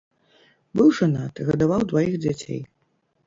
Быў жанаты, гадаваў дваіх дзяцей.